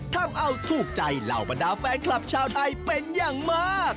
ทำเอาถูกใจเหล่าบรรดาแฟนคลับชาวไทยเป็นอย่างมาก